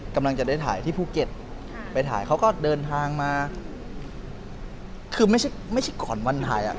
กำลังจะได้ถ่ายที่ภูเก็ตไปถ่ายเขาก็เดินทางมาคือไม่ใช่ไม่ใช่ก่อนวันถ่ายอ่ะ